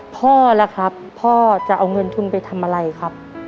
พ่อล่ะครับพ่อจะเอาเงินทุนไปทำอะไรครับ